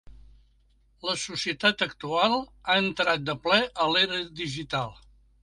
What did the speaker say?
La societat actual ha entrat de ple en l’era digital.